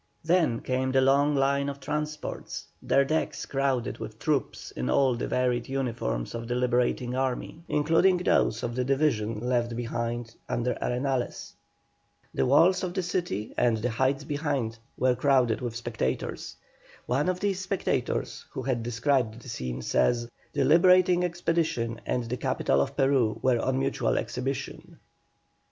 Then came the long line of transports, their decks crowded with troops in all the varied uniforms of the Liberating Army, including those of the division left behind under Arenales. The walls of the city and the heights behind were crowded with spectators. One of these spectators, who has described the scene, says: "The Liberating expedition and the capital of Peru were on mutual exhibition."